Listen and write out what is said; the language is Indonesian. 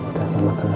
udah mama tenang ya